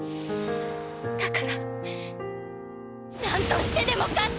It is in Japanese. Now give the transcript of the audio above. だから何としてでも勝つ！